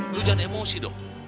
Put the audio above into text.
lo jangan emosi dong